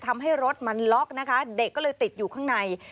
ทำให้รถมันล็อกนะคะเด็กก็เลยติดอยู่ข้างใน